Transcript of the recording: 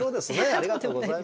ありがとうございます。